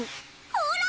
ほら！